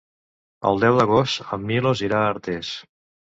El deu d'agost en Milos irà a Artés.